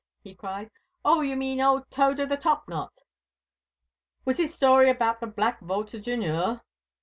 he cried. 'Oh, ye mean old Tode of the Top knot! Was his story about the Black Vault of Dunure?